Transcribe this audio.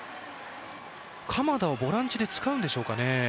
鎌田をボランチで使うんでしょうかね。